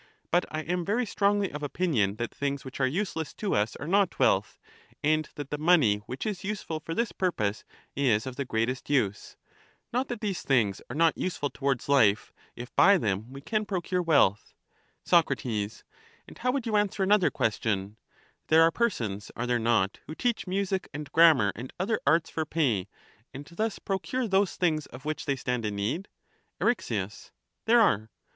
But I am very strongly of opinion that things which are useless to us are not wealth, and that the money which is useful for this purpose is of the greatest use ; not that these things are not useful towards life, if by them we can procure wealth. Soc. And how would you answer another question ? There The arts too are persons, are there not, who teach music and grammar J*5 ^^hem and other arts for pay, and thus procure those things of the needs of which they stand in need ? £edare satis" Eryx. There are.